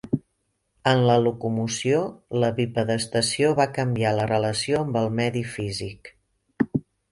En la locomoció, la bipedestació va canviar la relació amb el medi físic.